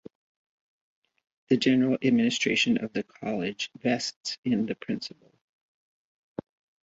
The general administration of the College vests in the Principal.